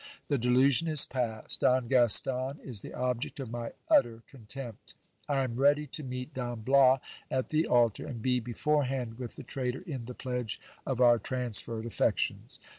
The de lusion is past ; Don Gaston is the object of my utter contempt. I am ready to meet Don Bias at the altar, and be beforehand with the traitor in the pledge of o lr transferred affections.